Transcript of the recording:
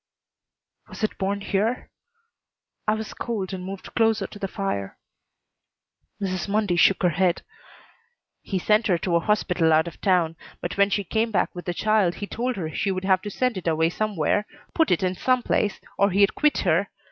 "Was it born here?" I was cold and moved closer to the fire. Mrs. Mundy shook her head. "He sent her to a hospital out of town, but when she came back with the child he told her she would have to send it away somewhere, put it in some place, or he'd quit her.